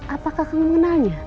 apa kakang mengenalnya